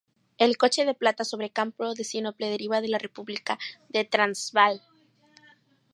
El coche de plata sobre campo de sinople deriva de la República de Transvaal.